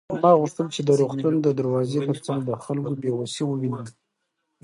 ما غوښتل چې د روغتون د دروازې تر څنګ د خلکو بې وسي ووینم.